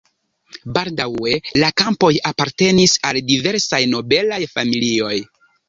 Baldaŭe la kampoj apartenis al diversaj nobelaj familioj.